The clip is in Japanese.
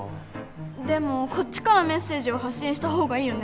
でもこっちからメッセージを発信した方がいいよね。